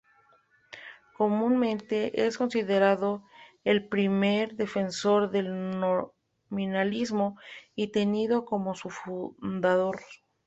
Comúnmente es considerado el primer defensor del nominalismo y tenido como su fundador.